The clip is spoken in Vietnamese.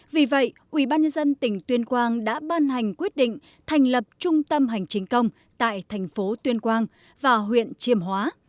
vì vậy ubnd tỉnh tuyên quang đã ban hành quyết định thành lập trung tâm hành chính công tại thành phố tuyên quang và huyện chiêm hóa